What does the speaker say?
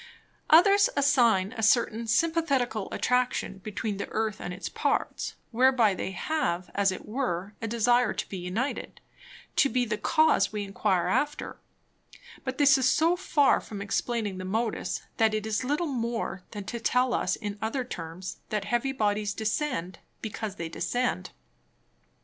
Others assign a certain Sympæthetical Attraction between the Earth and its Parts, whereby they have, as it were, a desire to be united, to be the Cause we enquire after: But this is so far from explaining the Modus, that it is little more, than to tell us in other Terms, that Heavy Bodies descend, because they descend.